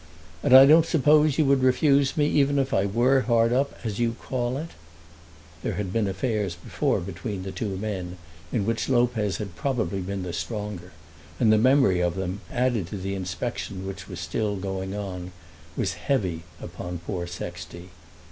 "And I don't suppose you would refuse me even if I were hard up, as you call it." There had been affairs before between the two men in which Lopez had probably been the stronger, and the memory of them, added to the inspection which was still going on, was heavy upon poor Sexty.